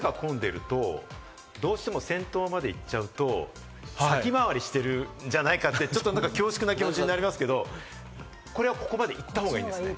どうしても先頭まで行っちゃうと、先回りしてるんじゃないかって恐縮な気持ちになりますけど、これがここまで行ったほうがいいんですね。